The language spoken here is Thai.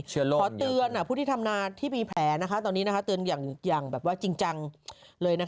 ขอเตือนผู้ที่ทำนาที่มีแผลตอนนี้เตือนอย่างแบบว่าจริงจังเลย